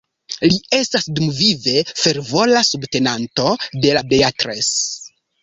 Li estas dumvive fervora subtenanto de la "Beatles".